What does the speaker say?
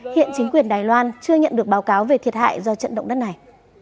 hiện chính quyền đài loan chưa nhận được báo cáo về thiệt hại do trận động đất này